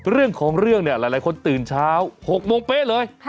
เรื่องของเรื่องเนี่ยหลายคนตื่นเช้า๖โมงเป๊ะเลย